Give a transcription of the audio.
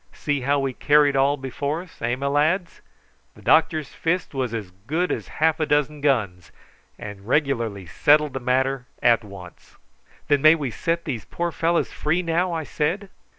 See how we carried all before us, eh, my lads! The doctor's fist was as good as half a dozen guns, and regularly settled the matter at once." "Then we may set these poor fellows free now?" I said.